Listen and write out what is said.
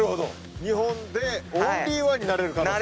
日本でオンリーワンになれる可能性が。